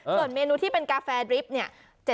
ส่วนเมนูที่เป็นกาแฟดริฟต์เนี่ย